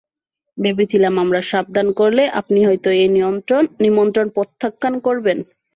ভেবেছিলাম আমরা সাবধান করলে আপনি হয়তো এই নিমন্ত্রণ প্রত্যাখ্যান করবেন।